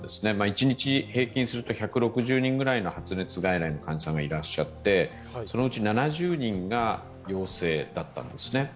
一日平均すると１６０人ぐらい、発熱外来の患者さんがいらっしゃってそのうち７０人が陽性だったんですね。